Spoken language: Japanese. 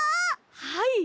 はい。